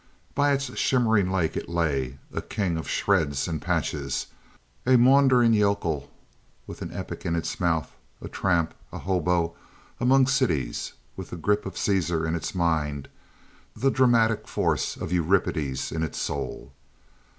By its shimmering lake it lay, a king of shreds and patches, a maundering yokel with an epic in its mouth, a tramp, a hobo among cities, with the grip of Caesar in its mind, the dramatic force of Euripides in its soul.